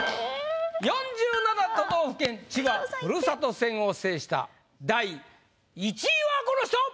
「４７都道府県千葉ふるさと戦」を制した第１位はこの人！